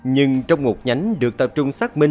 nhưng trong một nhánh được tập trung xác minh